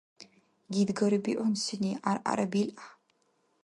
Гидгари бигӀунсини гӀяргӀяра билгӀя.